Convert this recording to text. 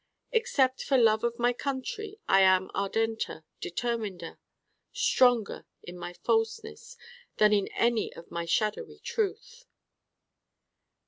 Except for love of my country I am ardenter, determinder, stronger in my falseness than in any of my shadowy truth.